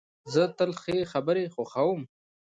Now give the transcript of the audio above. زه تل ښې خبري خوښوم.